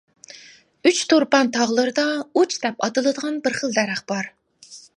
ئۇچتۇرپان تاغلىرىدا «ئۇچ» دەپ ئاتىلىدىغان بىر خىل دەرەخ بار.